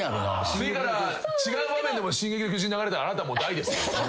次から違う場面でも『進撃の巨人』流れたらあなたもう大ですよ。